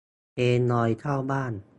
เพลงลอยเข้าบ้าน